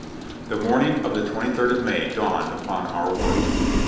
The morning of the 23rd of May dawned upon our world.